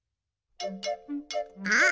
あっ！